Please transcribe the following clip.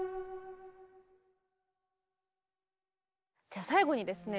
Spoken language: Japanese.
じゃあ最後にですね